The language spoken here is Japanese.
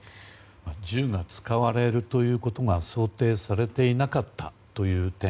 銃が使われるということが想定されていなかったという点。